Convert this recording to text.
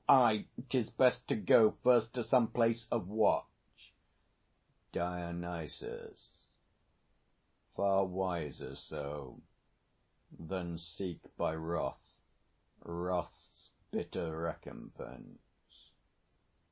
Aye; 'tis best to go First to some place of watch. DIONYSUS. Far wiser so, Than seek by wrath wrath's bitter recompense.